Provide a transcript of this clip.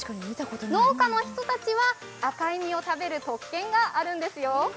農家の人たちは赤い実を食べる特権があるんですよ。